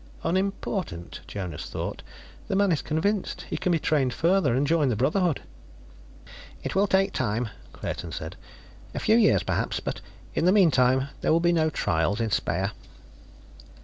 "Unimportant," Jonas thought. "The man is convinced; he can be trained further and join the Brotherhood." "It will take time," Claerten said. "A few years, perhaps. But in the meantime there will be no trials in Speyer."